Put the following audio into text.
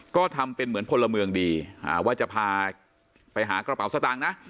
ก็ทำเป็นเหมือนพลเมืองดีว่าจะพาไปหากระเป๋าสตางค์นะ